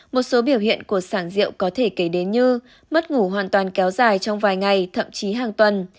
một số biểu hiện của sản rượu có thể kể đến như mất ngủ hoàn toàn kéo dài trong vài ngày thậm chí hàng tuần